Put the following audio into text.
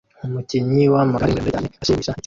Umukinyi wamagare muremure cyane ashimisha itsinda